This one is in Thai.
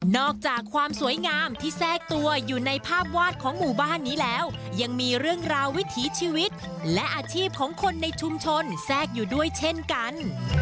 อกจากความสวยงามที่แทรกตัวอยู่ในภาพวาดของหมู่บ้านนี้แล้วยังมีเรื่องราววิถีชีวิตและอาชีพของคนในชุมชนแทรกอยู่ด้วยเช่นกัน